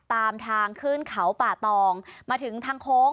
ตามทางขึ้นเขาป่าตองมาถึงทางโค้ง